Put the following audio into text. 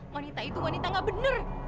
wanita itu wanita enggak benar